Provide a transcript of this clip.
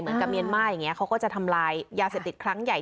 เหมือนกับเมียนม่ายอย่างเงี้ยเขาก็จะทำลายยาเสพติดครั้งใหญ่